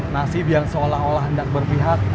nasib yang seolah olah hendak berpihak